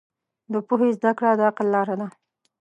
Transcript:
د پوهې زده کړه د عقل لاره ده.